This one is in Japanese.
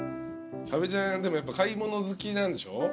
多部ちゃんでもやっぱ買い物好きなんでしょ？